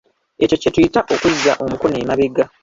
Ekyo kye tuyita okuzza omukono emabega.